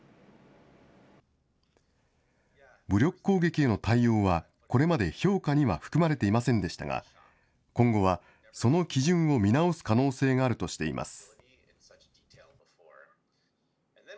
武力攻撃への対応はこれまで評価には含まれていませんでしたが、今後はその基準を見直す可能性があるとしています。